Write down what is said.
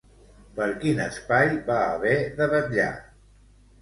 Per quin espai va haver de vetllar?